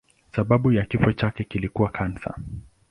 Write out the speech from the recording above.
Sababu ya kifo chake ilikuwa kansa.